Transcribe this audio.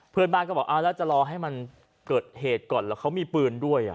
เพื่อนบ้านก็บอกเอาแล้วจะรอให้มันเกิดเหตุก่อนแล้วเขามีปืนด้วย